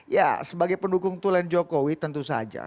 ya sebagai pendukung tulen jokowi tentu saja